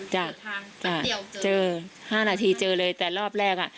จัดทางแป๊บเดียวเจอ๕นาทีเจอเลยแต่รอบแรกอ่ะ